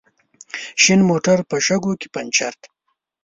شين موټر په شګو کې پنچر دی